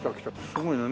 すごいね。